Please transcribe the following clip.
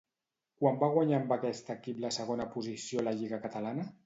Quan va guanyar amb aquest equip la segona posició a la Lliga Catalana?